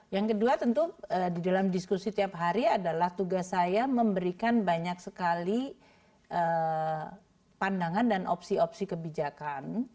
yang kedua tentu di dalam diskusi tiap hari adalah tugas saya memberikan banyak sekali pandangan dan opsi opsi kebijakan